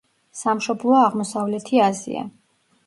სამშობლოა აღმოსავლეთი აზია.